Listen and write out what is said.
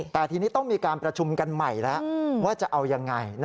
แต่ทีนี้ต้องมีการประชุมกันใหม่แล้วว่าจะเอายังไง